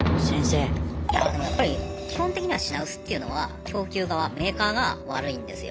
いやでもやっぱり基本的には品薄っていうのは供給側メーカーが悪いんですよ。